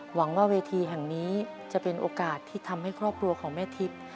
หวังว่าเวทีแห่งนี้จะเป็นโอกาสที่ทำให้ครอบครัวของแม่ทิพย์